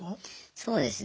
そうですね